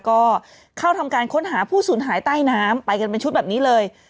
ก็เข้าทำการค้นหาผู้สูญหายใต้น้ำไปกันเป็นชุดแบบนี้เลย